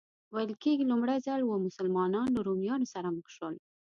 ویل کېږي لومړی ځل و مسلمانان له رومیانو سره مخ شول.